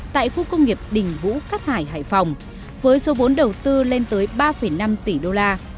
tại khu công nghiệp đình vũ cát hải hải phòng với số vốn đầu tư lên tới ba năm tỷ đô la